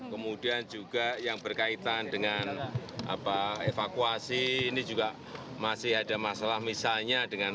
kemudian juga yang berkaitan dengan evakuasi ini juga masih ada masalah misalnya dengan